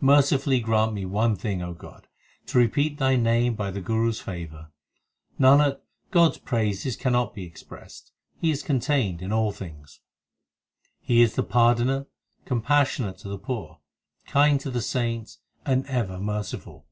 Mercifully grant me one thing, God, To repeat Thy name by the Guru s favour. Nanak, God s praises cannot be expressed ; He is contained in all things ; 7 He is the Pardoner, compassionate to the poor, Kind to the saints, and ever merciful.